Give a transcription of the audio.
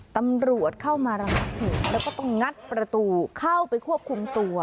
ตำรวจเข้ามาระงับเหตุแล้วก็ต้องงัดประตูเข้าไปควบคุมตัว